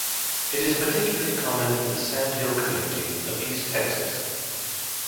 It is particularly common in the sandhill communities of east Texas.